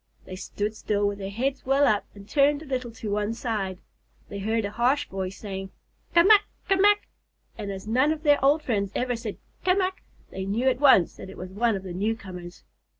They stood still, with their heads well up and turned a little to one side. They heard a harsh voice saying, "Ca mac! Ca mac!" and as none of their old friends ever said "Ca mac!" they knew at once that it was one of the newcomers.